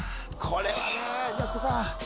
これはねえジャスコさん